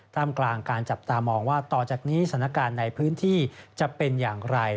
กลางการจับตามองว่าต่อจากนี้สถานการณ์ในพื้นที่จะเป็นอย่างไร